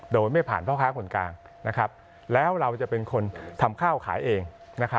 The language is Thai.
โดยไม่ผ่านพ่อค้าคนกลางแล้วเราจะเป็นคนทำข้าวขายเอง